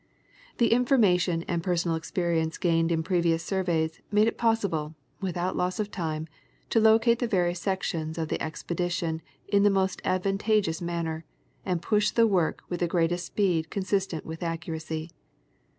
The information and personal experience gained in previous surveys made it possible, without loss of time, to locate the various sections of the expedition in the most advantageous man ner, and push the work with the greatest speed consistent with accuracy.